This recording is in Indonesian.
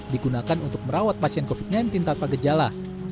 digunakan untuk merawat pasien covid sembilan belas tanpa gejala